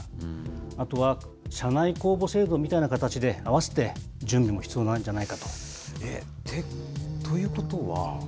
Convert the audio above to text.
あとは社内公募制度みたいな形で、あわせて準備も必要なんじゃないかと。